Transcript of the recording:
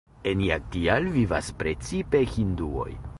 En Jagtial vivas precipe hinduoj.